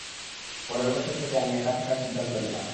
পরের বছর থেকে আমি একা থাকার সিদ্ধান্ত নিলাম।